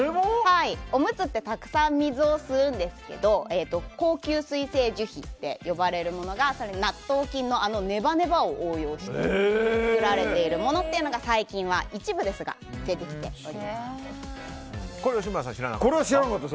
おむつってたくさん水を吸うんですけど高吸水性樹脂というのが納豆菌のネバネバを応用して作られているというものが最近では一部ですが出てきております。